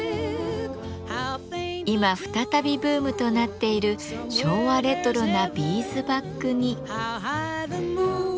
今再びブームとなっている昭和レトロなビーズバッグに。